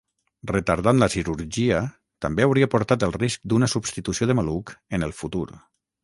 Retardant la cirurgia també hauria portat el risc d'una substitució de maluc en el futur.